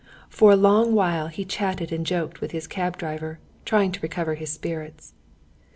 For a long while he chatted and joked with his cab driver, trying to recover his spirits.